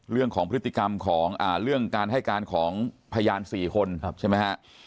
เรื่องของพฤติกรรมของเรื่องการให้การของพยาน๔คนใช่ไหมฮะ